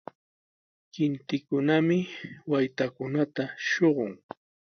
Kintikunami waytakunata shuqun.